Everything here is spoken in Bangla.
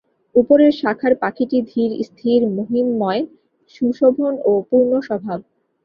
উপরের শাখার পাখীটি ধীর স্থির মহিমময় সুশোভন ও পূর্ণস্বভাব।